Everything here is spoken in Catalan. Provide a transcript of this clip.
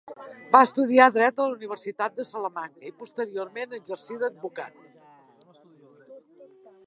Va estudiar dret a la Universitat de Salamanca, i posteriorment exercí d'advocat.